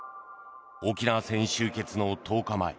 沖縄戦終結の１０日前